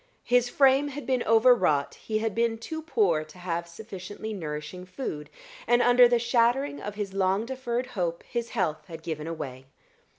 His frame had been overwrought; he had been too poor to have sufficiently nourishing food, and under the shattering of his long deferred hope his health had given away.